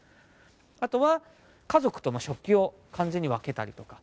あとは家族とも食器を完全に分けたりとか。